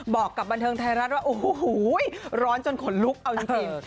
บอกกับบันเทิงไทยรัฐว่าโอ้โหร้อนจนขนลุกเอาจริง